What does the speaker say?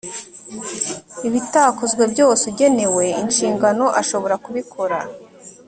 ibitakozwe byose ugenewe inshingano ashobora kubikora